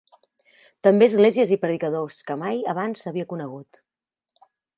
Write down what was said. També esglésies i predicadors que mai abans havia conegut.